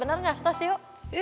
bener gak sih stasio